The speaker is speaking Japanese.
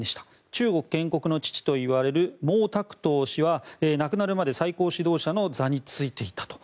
中国建国の父といわれる毛沢東氏は、亡くなるまで最高指導者の座に就いていたと。